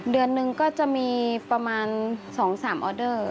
เดือนหนึ่งก็จะมีประมาณ๒๓ออเดอร์